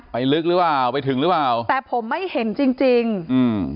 ลึกหรือเปล่าไปถึงหรือเปล่าแต่ผมไม่เห็นจริงจริงอืม